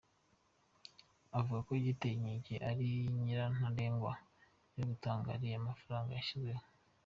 Avuga ko igiteye inkeke ari nyirantarengwa yo gutanga ariya mafaranga yashyizweho.